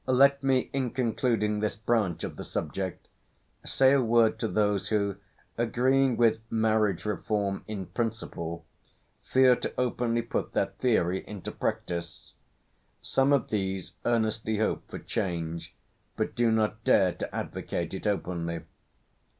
Let me, in concluding this branch of the subject, say a word to those who, agreeing with Marriage Reform in principle, fear to openly put their theory into practice. Some of these earnestly hope for change, but do not dare to advocate it openly.